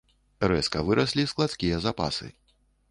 Рэзка выраслі складскія запасы.